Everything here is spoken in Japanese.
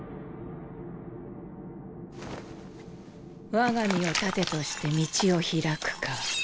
我が身を盾として道を開くか。